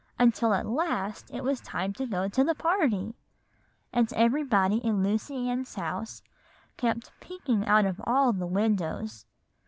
until at last it was time to go to the party. "And everybody in Lucy Ann's house kept peeking out of all the windows.